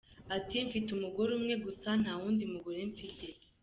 Ati “Mfite umugore umwe gusa, nta wundi mugore mfite.